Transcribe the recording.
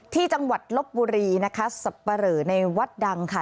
ที่จังหวัดลบบุรีนะคะสับปะเหลอในวัดดังค่ะ